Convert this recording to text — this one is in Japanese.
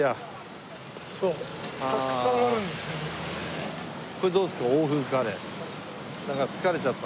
たくさんあるんですけど。